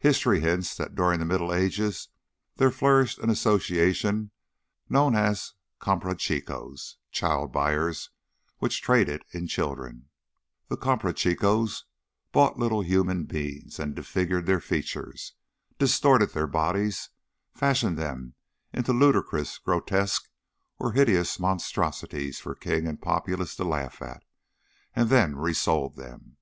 History hints that during the Middle Ages there flourished an association known as Comprachicos "child buyers" which traded in children. The Comprachicos bought little human beings and disfigured their features, distorted their bodies, fashioned them into ludicrous, grotesque, or hideous monstrosities for king and populace to laugh at, and then resold them.